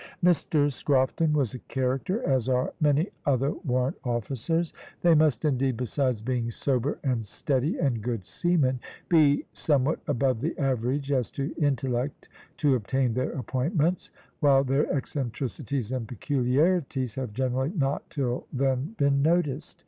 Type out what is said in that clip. Mr Scrofton was a character, as are many other warrant officers. They must, indeed, besides being sober and steady and good seamen, be somewhat above the average as to intellect to obtain their appointments, while their eccentricities and peculiarities have generally not till then been noticed.